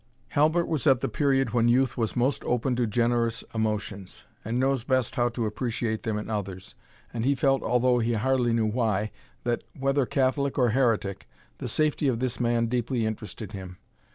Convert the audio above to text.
Halbert was at the period when youth was most open to generous emotions, and knows best how to appreciate them in others, and he felt, although he hardly knew why, that, whether catholic or heretic, the safety of this man deeply interested him.